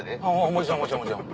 もちろんもちろんもちろん。